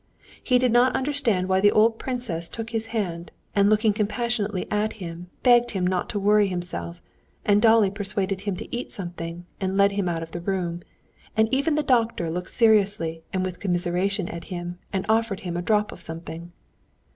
He did not understand why the old princess took his hand, and looking compassionately at him, begged him not to worry himself, and Dolly persuaded him to eat something and led him out of the room, and even the doctor looked seriously and with commiseration at him and offered him a drop of something.